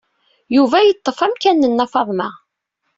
Yuba yeṭṭef amkan n Nna Faḍma.